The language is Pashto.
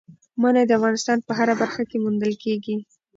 منی د افغانستان په هره برخه کې موندل کېږي.